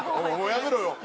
やめろよ。